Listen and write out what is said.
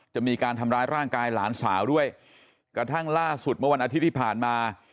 จะมีการทำร้ายร่างกายหลานสาวด้วยกระทั่งล่าสุดเมื่อวันอาทิตย์ที่ผ่านมา